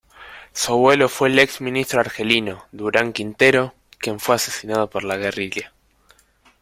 Su abuelo fue el exministro argelino, Durán Quintero, quien fue asesinado por la guerrilla.